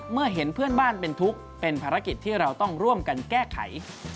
เมื่อเห็นเพื่อนบ้านเป็นทุกข์เป็นภารกิจที่เราต้องร่วมกันแก้ไข